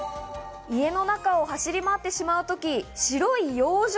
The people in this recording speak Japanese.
家の中を走り回ってしまう時、白い養生